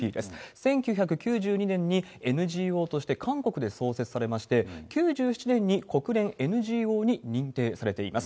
１９９２年にＮＧＯとして韓国で創設されまして、９７年に国連ＮＧＯに認定されています。